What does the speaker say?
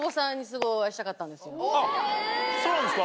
あっそうなんですか？